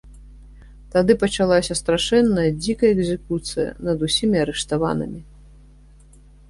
Тады пачалася страшэнная дзікая экзекуцыя над усімі арыштаванымі.